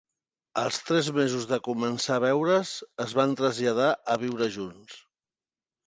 Als tres mesos de començar a veure"s, es van traslladar a viure junts.